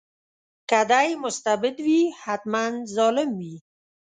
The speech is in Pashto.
که دی مستبد وي حتماً ظالم وي.